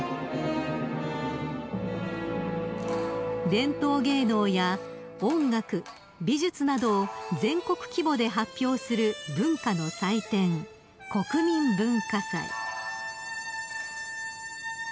［伝統芸能や音楽美術などを全国規模で発表する文化の祭典国民文化祭］